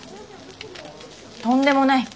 とんでもない！